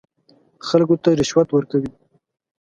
خلکو ته رشوت ورکوي.